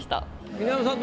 犬山さん